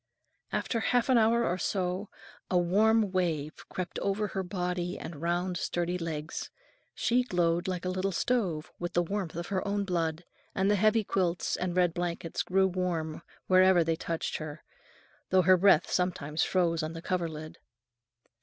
After half an hour or so, a warm wave crept over her body and round, sturdy legs; she glowed like a little stove with the warmth of her own blood, and the heavy quilts and red blankets grew warm wherever they touched her, though her breath sometimes froze on the coverlid.